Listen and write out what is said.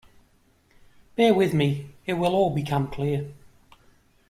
Bear with me; it will all become clear.